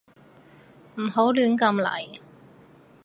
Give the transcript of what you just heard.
唔好亂咁嚟